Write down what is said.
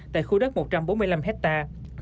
tại khu đất một trăm bốn mươi năm hectare